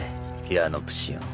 ピュアノプシオン。